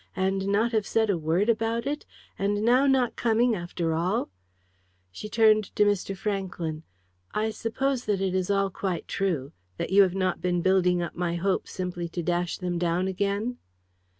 And not have said a word about it! And now not coming after all!" She turned to Mr. Franklyn. "I suppose that it is all quite true? That you have not been building up my hopes simply to dash them down again?"